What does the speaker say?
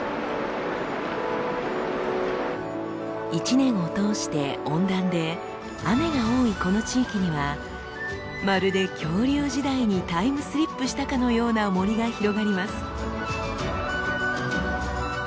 一年を通して温暖で雨が多いこの地域にはまるで恐竜時代にタイムスリップしたかのような森が広がります。